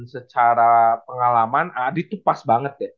secara pengalaman adik tuh pas banget